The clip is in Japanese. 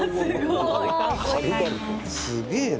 すげえな！